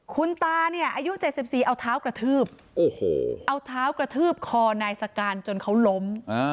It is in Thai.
คุณตาเนี่ยอายุ๗๔เอาเท้ากระทืบเอาเท้ากระทืบคอนายสการจนเขาล้ม